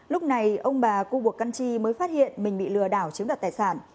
lúc này ông bà cưu bộc căn tri mới phát hiện mình bị lừa đảo chiếm đặt tài sản